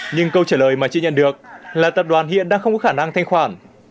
nhưng câu trả lời mà chưa nhận được là tập đoàn hiện đang không có khả năng thanh khoản